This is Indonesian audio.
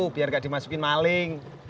biar gak dimasukin maling